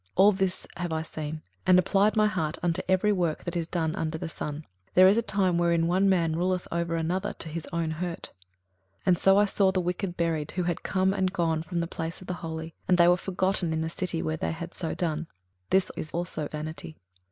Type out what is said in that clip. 21:008:009 All this have I seen, and applied my heart unto every work that is done under the sun: there is a time wherein one man ruleth over another to his own hurt. 21:008:010 And so I saw the wicked buried, who had come and gone from the place of the holy, and they were forgotten in the city where they had so done: this is also vanity.